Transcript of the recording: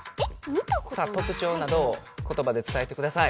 さあ特徴などをことばで伝えてください。